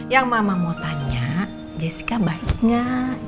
yang mama mau tanya jessica baik gak